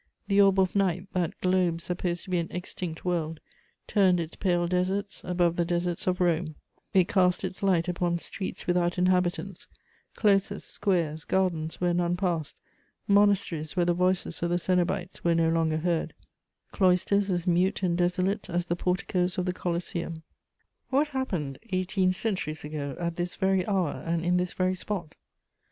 The orb of night, that globe supposed to be an extinct world, turned its pale deserts above the deserts of Rome; it cast its light upon streets without inhabitants, closes, squares, gardens where none passed, monasteries where the voices of the cenobites were no longer heard, cloisters as mute and desolate as the porticoes of the Coliseum. What happened, eighteen centuries ago, at this very hour and in this very spot?